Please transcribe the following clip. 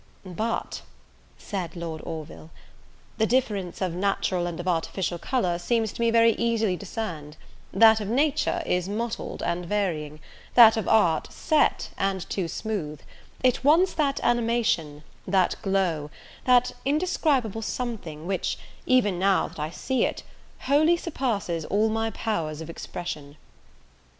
"But," said Lord Orville, "the difference of natural and of artificial colour seems to me very easily discerned; that of nature is mottled and varying; that of art set, and too smooth; it wants that animation, that glow, that indescribable something, which, even now that I see it, wholly surpasses all my powers of expression."